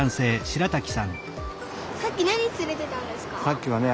さっき何つれてたんですか？